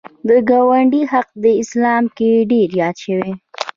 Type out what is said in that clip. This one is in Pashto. د ګاونډي حق اسلام کې ډېر یاد شوی